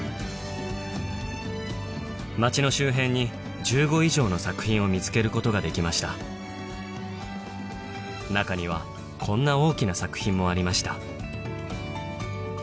町の周辺に１５以上の作品を見つけることができました中にはこんな大きな作品もありました